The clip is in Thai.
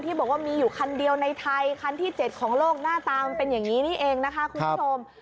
บอกว่ามีอยู่คันเดียวในไทยคันที่๗ของโลกหน้าตามันเป็นอย่างนี้นี่เองนะคะคุณผู้ชม